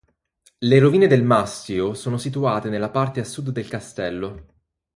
Le rovine del mastio sono situate nella parte a sud del castello.